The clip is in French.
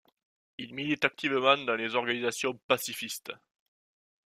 Il milite activement dans les organisations pacifistes.